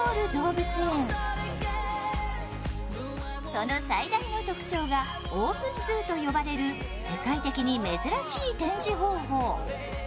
その最大の特徴がオープンＺＯＯと呼ばれる世界的に珍しい展示方法。